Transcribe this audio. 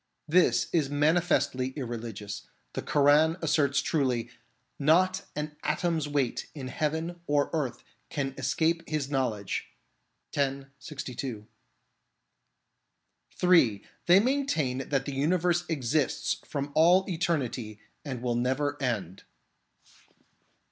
This is manifestly irreligious. The Koran asserts truly, "Not an atom's weight in heaven or earth can escape His knowledge " (x. 62). (3) They maintain that the universe exists from all eternity and will never end.